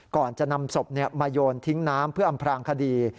ก่อนจะนำศพมาโยนทิ้งน้ำเพื่ออำพลางคดี